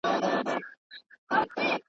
ما درته ویل چي په اغیار اعتبار مه کوه.